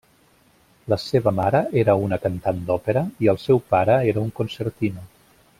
La seva mare era una cantant d'òpera i el seu pare era un concertino.